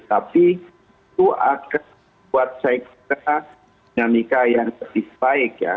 tapi itu akan buat saya kira dinamika yang lebih baik ya